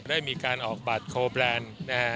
ได้มีการออกบัตรโคลแบรนด์